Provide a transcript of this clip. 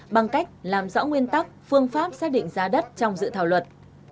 bằng cách làm rõ nguyên tắc phương pháp xác định giá đất trong dự thảo luật